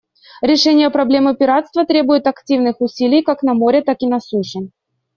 Решение проблемы пиратства требует активных усилий как на море, так и на суше.